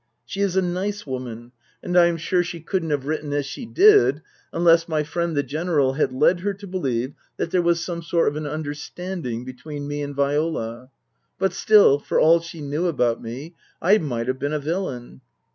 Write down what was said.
She is a nice woman, and I am sure she couldn't Book I : My Book 19 have written as she did unless my friend the General had led her to believe that there was some sort of an understanding between me and Viola. But still, for all she knew about me, I might have been a villain.